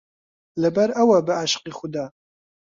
لەبەرئەوە بەعشقی خودا